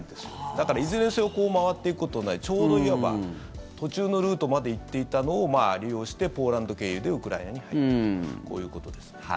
だから、いずれにせよこう回っていくことになりちょうどいわば途中のルートまで行っていたのを利用してポーランド経由でウクライナに入ったとこういうことです。